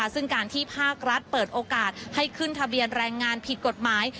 ซึ่งการที่ภาครัฐเปิดโอกาสให้ขึ้นทะเบียนแรงงานผิดกฎหมาย